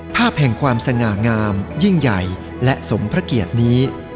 ภาพแห่งความสง่างามยิ่งใหญ่และสมพระเกียรตินี้